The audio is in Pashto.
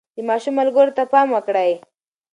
د ماشوم ملګرو ته پام وکړئ.